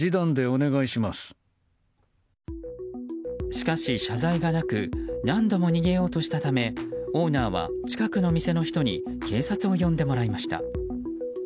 しかし、謝罪がなく何度も逃げようとしたためオーナーは近くの店の人に警察を呼んでもらいました。